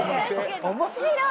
面白い！